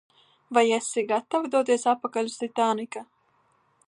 Vai esat gatava doties atpakaļ uz Titānika?